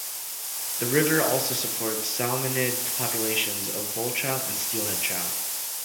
The river also supports salmonid populations of bull trout and steelhead trout.